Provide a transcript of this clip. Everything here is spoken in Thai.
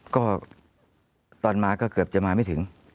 ก็ตอนมาก็เกือบจะมาไม่ถึง